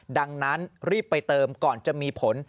ดังนั้นรีบไปเติมก่อนจะมีผล